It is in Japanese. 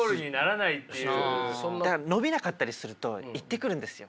伸びなかったりすると言ってくるんですよ。